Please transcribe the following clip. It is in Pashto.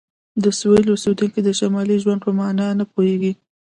د سویل اوسیدونکي د شمالي ژوند په معنی نه پوهیږي